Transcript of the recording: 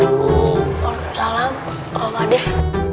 wa'alaikumussalam pak deh